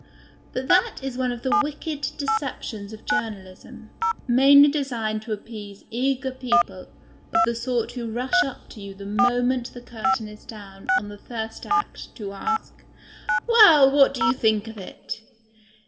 But that is one of the wicked deceptions of journalism, mainly designed to appease eager people of the sort who rush up to you the moment the curtain is down on the First Act to ask :"" Well, what do you think of it